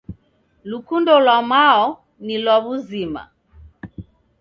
Lukundo lwa mao ni lwa wuzima.